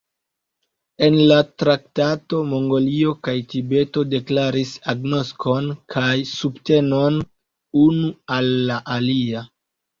En la traktato Mongolio kaj Tibeto deklaris agnoskon kaj subtenon unu al la alia.